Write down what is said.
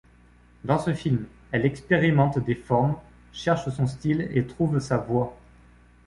Dans ce film, elle expérimente des formes, cherche son style et trouve sa voix.